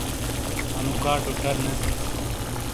انو کاٹوٹر نہ تھے۔